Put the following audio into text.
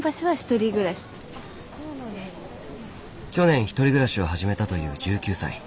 去年１人暮らしを始めたという１９歳。